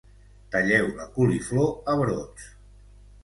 talleu la coliflor a brots